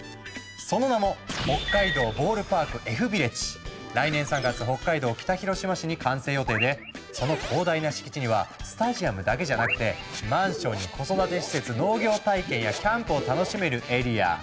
その名も来年３月北海道北広島市に完成予定でその広大な敷地にはスタジアムだけじゃなくてマンションに子育て施設農業体験やキャンプを楽しめるエリア。